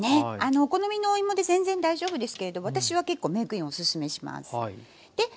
お好みのお芋で全然大丈夫ですけれど私は結構メークインおすすめします。